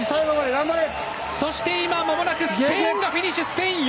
そして、今まもなくスペインがフィニッシュ！